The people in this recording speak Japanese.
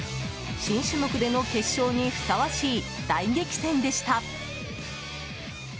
新種目での決勝にふさわしい大激戦でした。